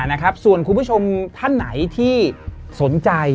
นะครับส่วนคุณผู้ชมท่านไหนที่สนใจ